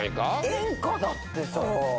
「演歌」だってさぁ。